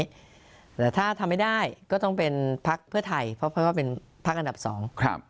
แต่ถ้าทำไม่ได้ก็ต้องเป็นพักเพื่อไทยเพราะว่าเป็นพักอันดับสองครับ